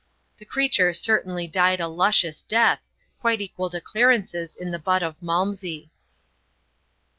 The creature certainly died a luscious death, quite equal tiiClarence's in the butt of Malmsey.